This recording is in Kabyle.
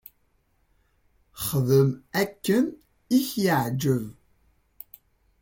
Xdem akken i k-yeɛǧeb.